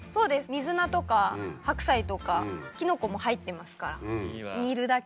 水菜とか白菜とかキノコも入ってますから煮るだけ。